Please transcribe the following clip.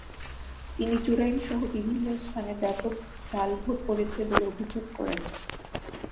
তিনি চুড়াইনসহ বিভিন্ন স্থানে ব্যাপক জাল ভোট পড়েছে বলে অভিযোগ করেন।